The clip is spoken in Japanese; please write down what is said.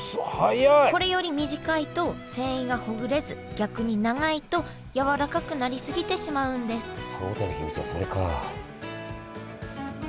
これより短いと繊維がほぐれず逆に長いとやわらかくなりすぎてしまうんです